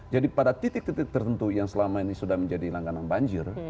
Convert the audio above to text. pada titik titik tertentu yang selama ini sudah menjadi langganan banjir